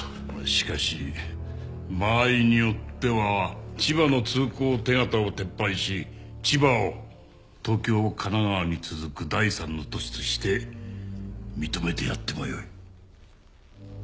しかし場合によっては千葉の通行手形を撤廃し千葉を東京・神奈川に続く第３の都市として認めてやってもよい。